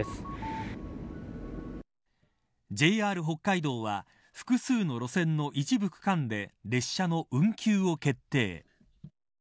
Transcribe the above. ＪＲ北海道は複数の路線の一部区間で列車の運休を決定。